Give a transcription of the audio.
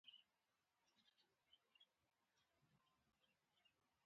وزې ډېر وخت آرامه وي